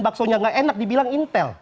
baksonya nggak enak dibilang intel